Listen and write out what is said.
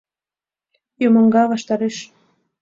Юмоҥа ваштареш!